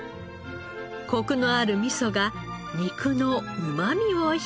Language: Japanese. コクのある味噌が肉のうまみを引き立てます。